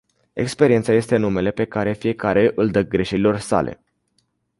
Experiența este numele pe care fiecare îl dă greșelilor sale.